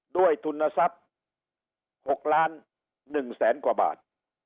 ทุนทรัพย์๖ล้าน๑แสนกว่าบาท